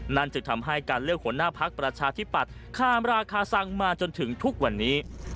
จึงทำให้การเลือกหัวหน้าพักประชาธิปัตย์ข้ามราคาซังมาจนถึงทุกวันนี้